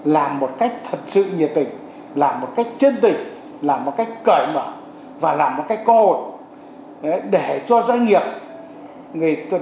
làm một cách thật sự nhiệt tình làm một cách chân tình làm một cách cởi mở và làm một cách có hồn để cho doanh nghiệp